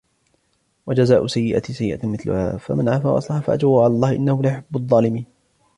وَجَزَاءُ سَيِّئَةٍ سَيِّئَةٌ مِثْلُهَا فَمَنْ عَفَا وَأَصْلَحَ فَأَجْرُهُ عَلَى اللَّهِ إِنَّهُ لَا يُحِبُّ الظَّالِمِينَ